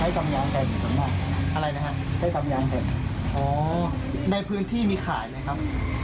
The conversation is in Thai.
ให้ทำยางแผ่นอะไรนะครับให้ทำยางแผ่นอ๋อในพื้นที่มีขายเลยครับ